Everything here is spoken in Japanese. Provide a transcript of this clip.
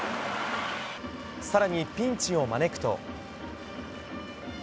更にピンチを招くと。